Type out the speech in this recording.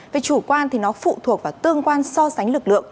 về chủ quan thì nó phụ thuộc vào tương quan so sánh lực lượng